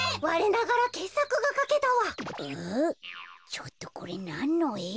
ちょっとこれなんのえ？